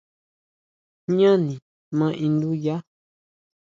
Jñáni ma induya.